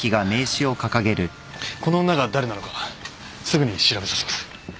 この女が誰なのかすぐに調べさせます。